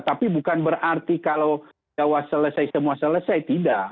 tapi bukan berarti kalau jawa selesai semua selesai tidak